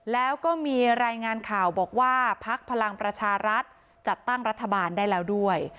แล้วก็มีรายงานข่าวบอกว่าพักพลังประชารัฐจัดตั้งรัฐบาลได้แล้วด้วย